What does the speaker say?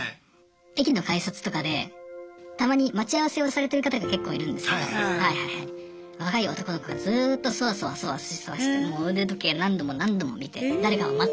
駅の改札とかでたまに待ち合わせをされてる方がけっこういるんですけど若い男の子がずっとそわそわそわそわしてもう腕時計何度も何度も見て誰かを待ってるんですよ。